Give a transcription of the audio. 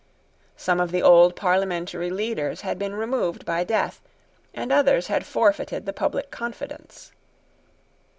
Some of the old parliamentary leaders had been removed by death; and others had forfeited the public confidence.